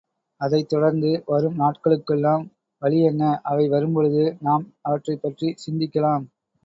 அதைத் தொடர்ந்து வரும் நாட்களுக்கெல்லாம் வழி என்ன? அவை வரும்பொழுது, நாம் அவற்றைப் பற்றிச் சிந்திக்கலாம்.